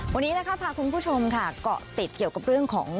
วันนี้นะคะพาคุณผู้ชมค่ะเกาะติดเกี่ยวกับเรื่องของ